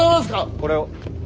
これを。